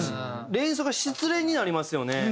連想が失恋になりますよね。